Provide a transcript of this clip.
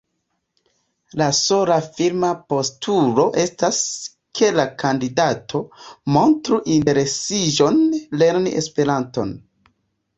La sola firma postulo estas, ke la kandidato “montru interesiĝon lerni Esperanton”.